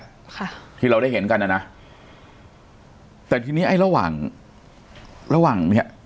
ค่ะที่เราได้เห็นกันน่ะนะแต่ทีนี้ไอ้ระหว่างระหว่างเนี้ย